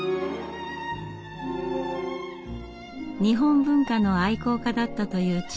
日本文化の愛好家だったという父。